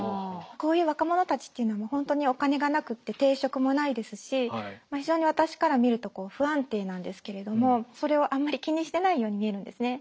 こういう若者たちっていうのは本当にお金がなくて定職もないですし非常に私から見るとこう不安定なんですけれどもそれをあんまり気にしてないように見えるんですね。